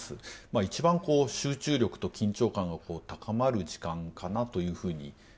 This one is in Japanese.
一番集中力と緊張感が高まる時間かなというふうに思いますね。